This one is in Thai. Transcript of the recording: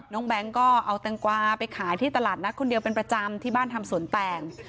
แบงค์ก็เอาแตงกวาไปขายที่ตลาดนัดคนเดียวเป็นประจำที่บ้านทำสวนแตง